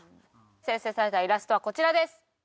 生成されたイラストはこちらです。